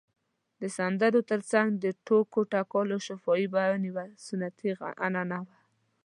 د سندرو تر څنګ د ټوکو ټکالو شفاهي بیان یوه سنتي عنعنه وه.